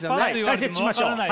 解説しましょう。